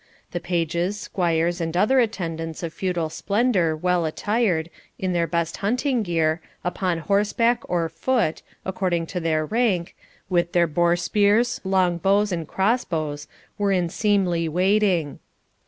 The pages, squires, and other attendants of feudal splendour well attired, in their best hunting gear, upon horseback or foot, according to their rank, with their boar spears, long bows, and cross bows, were in seemly waiting.